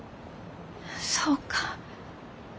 そうか。